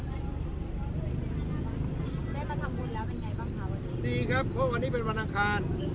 ได้มาทำบุญแล้วเป็นไงบ้างคะวันนี้ดีครับเพราะวันนี้เป็นวันอังคาร